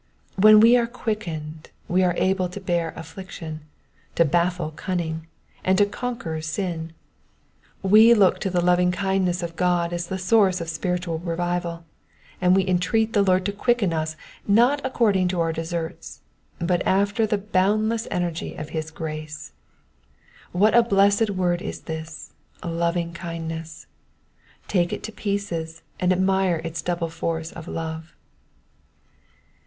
When we are quickened we are able to bear affliction, to baffle cunning, and to conquer sm. We look to the lovingkindness of God as the source of spiritual revival, and we entreat the Lord to quicken us, not according to our deserts, but after the boundless energy of his grace. What a blessed word is this lovingkindness." Take it to pieces, and admire its double force of love.